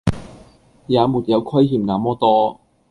也沒有虧欠那麼多